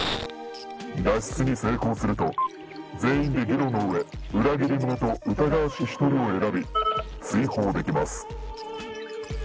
脱出に成功すると全員で議論の上裏切り者と疑わしき１人を選び追放できます。